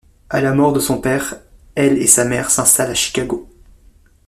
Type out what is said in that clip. À la mort de son père, elle et sa mère s'installent à Chicago.